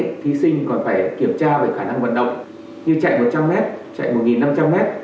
năm nay thì thí sinh còn phải kiểm tra về khả năng vận động như chạy một trăm linh m chạy một năm trăm linh m